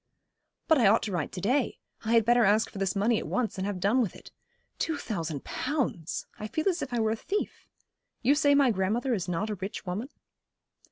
'But I ought to write to day. I had better ask for this money at once, and have done with it. Two thousand pounds! I feel as if I were a thief. You say my grandmother is not a rich woman?'